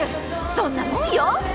そんなもんよ！